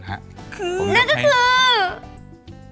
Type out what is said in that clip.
นั่นก็คือ